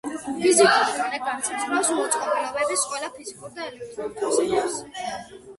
ფიზიკური დონე განსაზღვრავს მოწყობილობების ყველა ფიზიკურ და ელექტრულ თვისებებს.